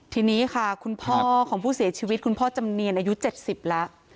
ทีนี้ค่ะคุณพ่อของผู้เสียชีวิตคุณพ่อจำเนียนอายุ๗๐แล้ว